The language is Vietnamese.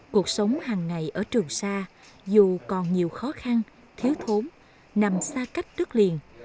cuộc sống hàng ngày ở trường sa dù còn nhiều khó khăn thiếu thốn nằm xa cách đất liền